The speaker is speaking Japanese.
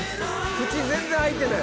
口全然開いてない。